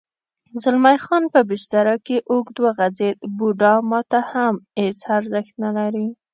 زلمی خان په بستره کې اوږد وغځېد: بوډا ما ته هېڅ ارزښت نه لري.